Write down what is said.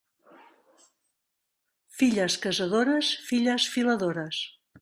Filles casadores, filles filadores.